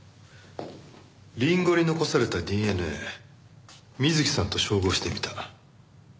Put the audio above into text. りんごに残されたＤＮＡみずきさんと照合してみた。